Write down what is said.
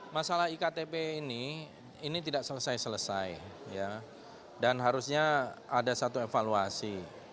masalah iktp ini ini tidak selesai selesai dan harusnya ada satu evaluasi